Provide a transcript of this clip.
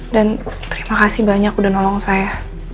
dan terima kasih banyak udah nolong saya